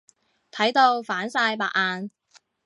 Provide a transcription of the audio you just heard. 睇到反晒白眼。